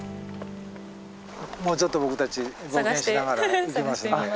もうちょっと僕たち冒険しながら行きますので。